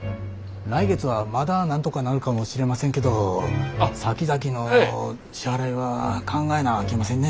来月はまだなんとかなるかもしれませんけどさきざきの支払いは考えなあきませんね。